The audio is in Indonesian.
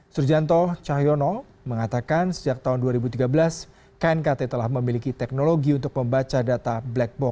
surjanto cahyono mengatakan sejak tahun dua ribu tiga belas knkt telah memiliki teknologi untuk membaca data black box